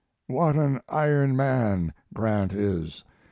What an iron man Grant is!